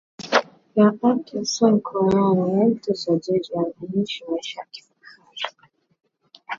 ya ake sanko yaani mtu tajiri anayeishi maisha ya kifahari